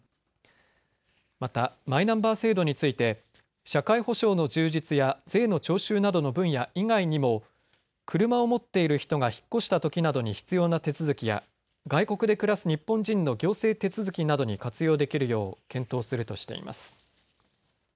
またマイナンバー制度について社会保障の充実や税の徴収などの分野以外にも車を持っている人が引っ越したときなどに必要な手続きや外国で暮らす日本人の行政手続きなどに活用できるよう検討するとしています。